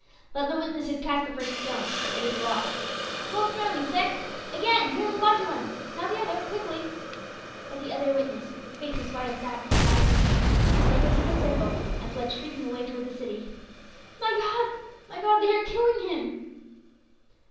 "Let the witnesses cast the first stones it is the law!" "Well thrown, Esek! Again here is a larger one! Now the other, quickly!" But the other witness, with face as white as that of the dying man, had broken through the circle and fled away shrieking towards the city "My God! my God! they are killing him!"